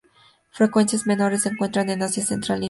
Frecuencias menores se encuentran en Asia Central, India y Siberia.